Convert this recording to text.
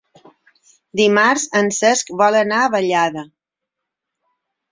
Dimarts en Cesc vol anar a Vallada.